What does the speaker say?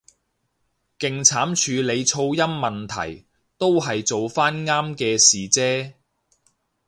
勁慘處理噪音問題，都係做返啱嘅事啫